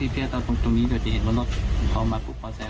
พี่ตรงนี้เดี๋ยวจะเห็นรถทอมมากกว่าแซม